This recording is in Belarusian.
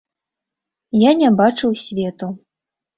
Я не бачыў свету.